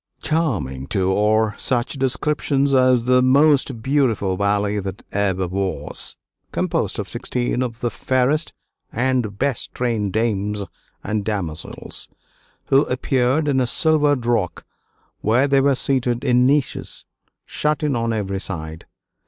Charming, too, are such descriptions as "the most beautiful ballet that ever was, composed of sixteen of the fairest and best trained dames and demoiselles, who appeared in a silvered rock where they were seated in niches, shut in on every side.